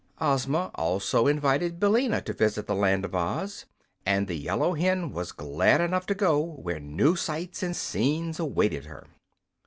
Ozma also invited Billina to visit the Land of Oz, and the yellow hen was glad enough to go where new sights and scenes awaited her.